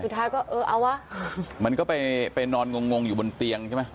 สุดท้ายก็เออเอาวะมันก็ไปนอนงงงอยู่บนเตียงใช่ไหม